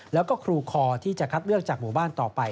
แล้วก็ครูคอที่จะคัดเลือกจากหมู่บ้านต่อไป